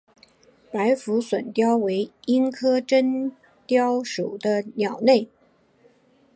白腹隼雕为鹰科真雕属的鸟类。